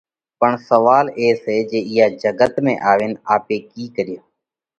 پڻ سوئال اي سئہ جي اِيئا جڳت ۾ آوينَ آپي ڪِي ڪريو؟